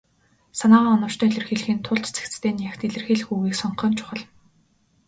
Санаагаа оновчтой илэрхийлэхийн тулд цэгцтэй, нягт илэрхийлэх үгийг сонгох нь чухал.